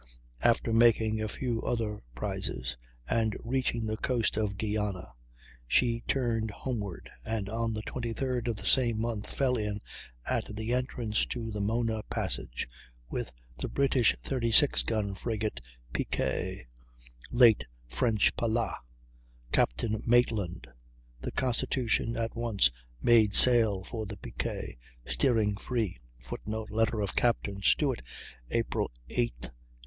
After making a few other prizes and reaching the coast of Guiana she turned homeward, and on the 23d of the same month fell in, at the entrance to the Mona passage, with the British 36 gun frigate Pique (late French Pallas), Captain Maitland. The Constitution at once made sail for the Pique, steering free; [Footnote: Letter of Capt. Stewart, April 8, 1814.